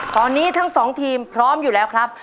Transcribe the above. ตอนนี้ทั้งสองทีมพร้อมอยู่แล้วครับ